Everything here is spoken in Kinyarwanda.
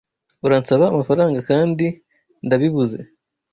Uransabaamafaranga kandi ndabibuze